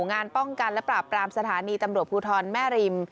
งานป้องกันและปราบปรามสถานีตำรวจภูทรแม่ริม